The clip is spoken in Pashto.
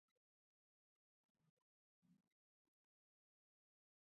پسرلی د افغانستان د اقتصادي منابعو ارزښت زیاتوي.